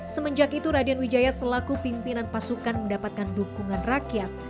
semenjak itu raden wijaya selaku pimpinan pasukan mendapatkan dukungan rakyat